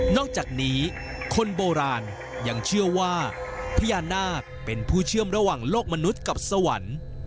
อกจากนี้คนโบราณยังเชื่อว่าพญานาคเป็นผู้เชื่อมระหว่างโลกมนุษย์กับสวรรค์